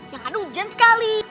ya ada ujian sekali